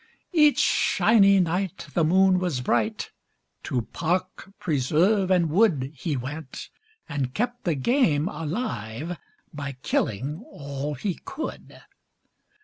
Each "shiny night" the moon was bright, To park, preserve, and wood He went, and kept the game alive, By killing all he could.